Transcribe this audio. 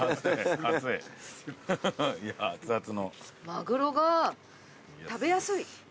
マグロが食べやすい。